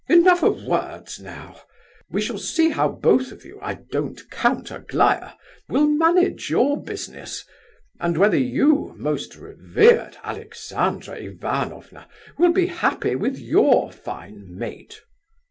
Enough of words, now! We shall see how both of you (I don't count Aglaya) will manage your business, and whether you, most revered Alexandra Ivanovna, will be happy with your fine mate."